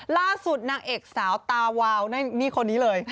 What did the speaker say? ล่าสุดนางเอกสาวตาวาวนี่คนนี้เลย